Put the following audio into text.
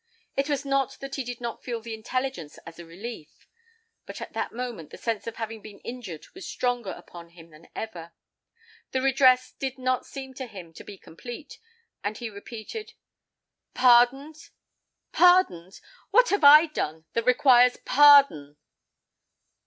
It was not that he did not feel the intelligence as a relief; but at that moment the sense of having been injured was stronger upon him than ever. The redress did not seem to him to be complete, and he repeated, "Pardoned! pardoned! What have I done that requires pardon?"